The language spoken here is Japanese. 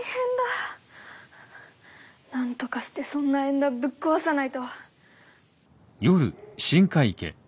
なんとかしてそんな縁談ぶっ壊さないと。